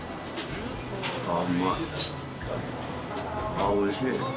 あぁおいしい。